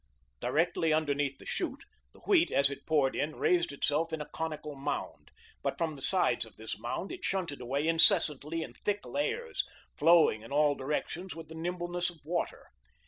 Directly underneath the chute, the wheat, as it poured in, raised itself in a conical mound, but from the sides of this mound it shunted away incessantly in thick layers, flowing in all directions with the nimbleness of water.